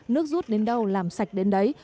nước rút đến đâu làm sạch đến đấy